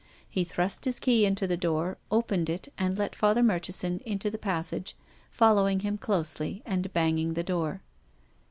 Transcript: He thrust his key into the door, opened it and let Father Murchison into the passage, following him closely and banging the door.